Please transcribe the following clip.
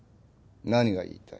何が言いたい？